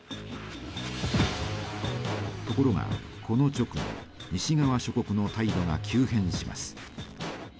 ところがこの直後西側諸国の態度が急変します。